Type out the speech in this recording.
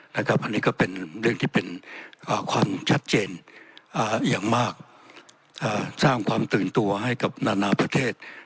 และกับอันนี้ก็เป็นความชัดเจนอย่างมากสร้างความตื่นตัวให้กับนานาประเทศ